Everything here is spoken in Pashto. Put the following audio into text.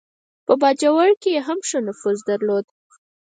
په باجوړ کې یې هم ښه نفوذ درلود.